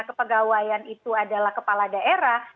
kepegawaian itu adalah kepala daerah